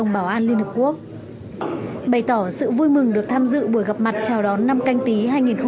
bày tỏ sự vui mừng được tham dự buổi gặp mặt chào đón năm canh tí hai nghìn hai mươi